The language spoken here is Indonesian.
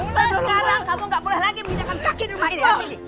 mas sekarang kamu gak boleh lagi menjajakan kaki di rumah ini